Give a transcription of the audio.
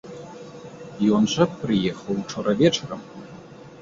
Ён жа прыехаў учора вечарам.